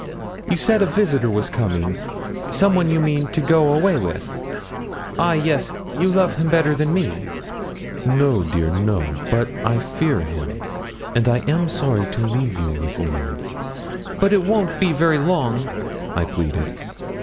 'You said a visitor was coming; some one, you mean, to go away with. Ah, yes, you love him better than me.' 'No, dear, no; but I fear him; and I am sorry to leave you, little Maud.' 'It won't be very long,' I pleaded.